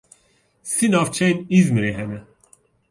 Sî navçeyên Îzmîrê hene.